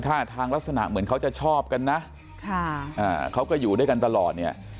ท่าทางลักษณะเหมือนเขาจะชอบกันนะเขาก็อยู่ด้วยกันตลอดเนี่ย